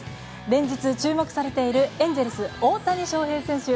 連日、注目されているエンゼルス、大谷翔平選手。